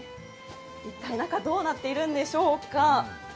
一体、中どうなっているんでしょうか。